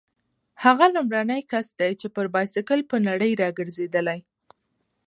هغه لومړنی کس دی چې پر بایسکل په نړۍ راګرځېدلی.